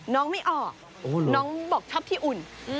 ไม่ออกน้องบอกชอบที่อุ่น